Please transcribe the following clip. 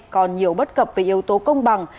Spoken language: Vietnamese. còn nhiều bất cập về yếu tố công bằng